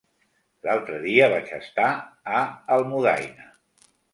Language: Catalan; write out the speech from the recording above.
L'altre dia vaig estar a Almudaina.